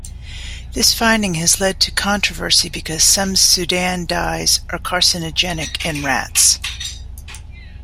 This finding has led to controversy because some Sudan dyes are carcinogenic in rats.